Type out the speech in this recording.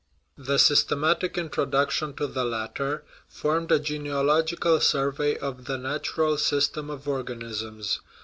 The systematic introduc tion to the latter formed a " genealogical survey of the natural system of organisms."